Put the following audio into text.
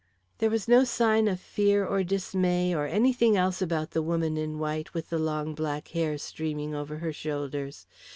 There was no sign of fear or dismay or anything else about the woman in white with the long black hair streaming over her shoulders.